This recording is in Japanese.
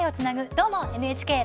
「どーも、ＮＨＫ」